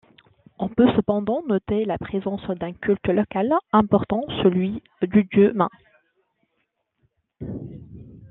On peut cependant noter la présence d'un culte local important, celui du dieu Men.